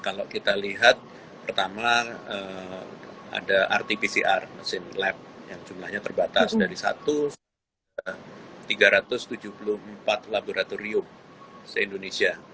kalau kita lihat pertama ada rt pcr mesin lab yang jumlahnya terbatas dari satu tiga ratus tujuh puluh empat laboratorium se indonesia